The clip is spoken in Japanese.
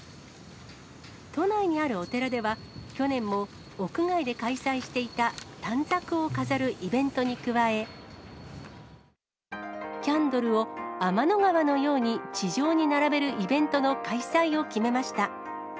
都内にあるお寺では、去年も屋外で開催していた短冊を飾るイベントに加え、キャンドルを天の川のように地上に並べるイベントの開催を決めました。